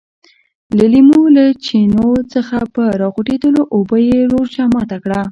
د لیمو له چینو څخه په راخوټېدلو اوبو یې روژه ماته کړه.